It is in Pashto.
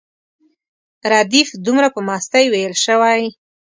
ردیف دومره په مستۍ ویل شوی.